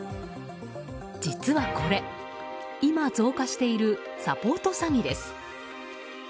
実はこれ、今増加しているサポート詐欺です。